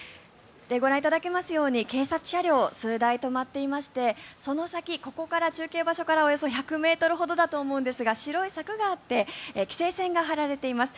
ご覧いただけますように警察車両、数台止まっていましてその先、ここから中継場所からおよそ１００ｍほどだと思うんですが白い柵があって規制線が張られています。